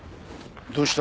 どうした？